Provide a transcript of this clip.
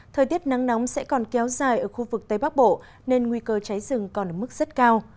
thời tiết nắng nóng sẽ còn kéo dài ở khu vực tây bắc bộ nên nguy cơ cháy rừng còn ở mức rất cao